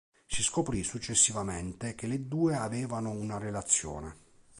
Si scoprì successivamente che le due avevano una relazione.